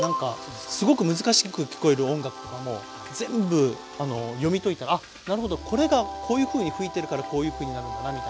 すごく難しく聞こえる音楽とかも全部読み解いたらあっなるほどこれがこういうふうに吹いてるからこういうふうになるんだなみたいな。